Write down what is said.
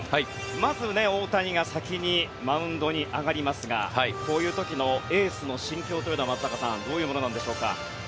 まず、大谷が先にマウンドに上がりますがこういう時のエースの心境というのはどういうものなんでしょうか。